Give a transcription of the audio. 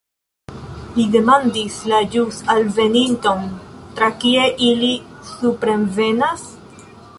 Li demandis la ĵus alveninton: "Tra kie ili suprenvenas?"